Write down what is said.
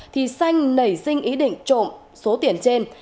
thì xanh nảy sinh ý định trộm số tiền trên